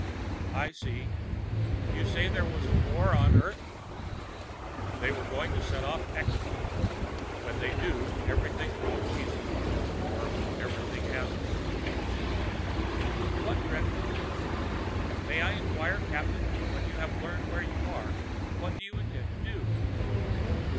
"I see.... You say there was a war on Earth?" "They were going to set off X Bomb; when they do, everything will go to pieces. Or everything has already." "What dreadful news! May I inquire, Captain, when you have learned where you are what do you intend to do?"